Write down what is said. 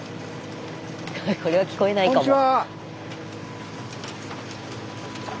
これは聞こえないかも。